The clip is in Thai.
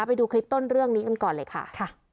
ไปดูคลิปต้นเรื่องนี้กันก่อนเลยค่ะ